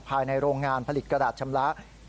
ภายในโรงงานผลิตกระดาษชำระ